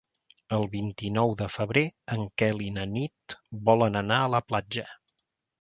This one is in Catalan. El vint-i-nou de febrer en Quel i na Nit volen anar a la platja.